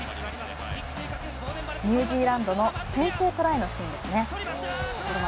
ニュージーランドの先制トライのシーンですね。